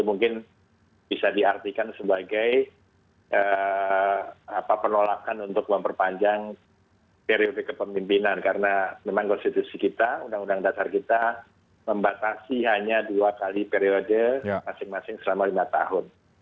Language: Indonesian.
mungkin bisa diartikan sebagai penolakan untuk memperpanjang periode kepemimpinan karena memang konstitusi kita undang undang dasar kita membatasi hanya dua kali periode masing masing selama lima tahun